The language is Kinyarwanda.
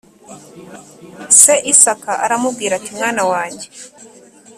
Se isaka aramubwira ati mwana wanjye